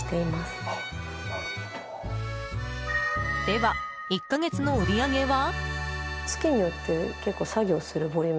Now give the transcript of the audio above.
では、１か月の売り上げは？